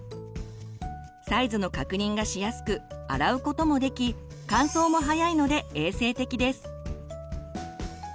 サイズの確認がしやすく洗うこともでき乾燥もはやいので衛生的です。